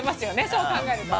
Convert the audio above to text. そう考えると。